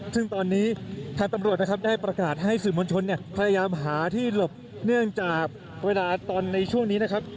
ซึ่งตอนนี้ทางตำรวจนะครับได้ประกาศให้สื่อมวลชนเนี่ยพยายามหาที่หลบเนื่องจากเวลาตอนในช่วงนี้นะครับ